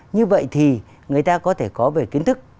như vậy thì người ta có thể có về kiến thức